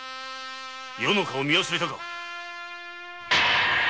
余の顔を見忘れたか。